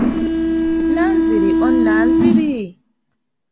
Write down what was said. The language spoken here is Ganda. Nanziri oh Nanziri!